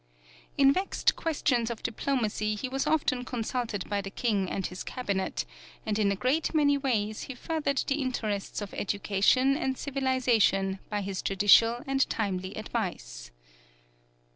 In vexed questions of diplomacy he was often consulted by the King and his Cabinet, and in a great many ways he furthered the interests of education and civilization by his judicial and timely advice.